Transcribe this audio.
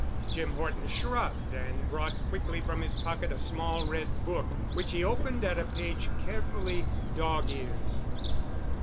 Jim Horton shrugged and brought quickly from his pocket a small red book, which he opened at a page carefully dog cared.